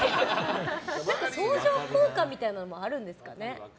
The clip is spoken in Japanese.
相乗効果みたいなのもあるんですかね。